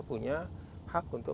punya hak untuk